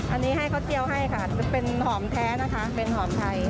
อันนี้ให้ข้าวเจียวให้ค่ะเป็นหอมแท้นะคะเป็นหอมไทย